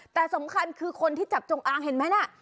แต่สำคัญคือคนที่จับจงอางเห็นไหมน่ะ